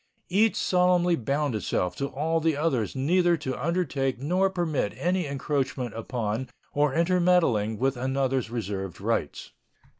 Each solemnly bound itself to all the others neither to undertake nor permit any encroachment upon or intermeddling with another's reserved rights.